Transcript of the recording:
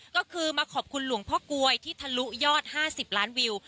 ก็คือมาขอบคุณหลวงพ่อกลวยที่ทะลุยอด๕๐ล้านวิว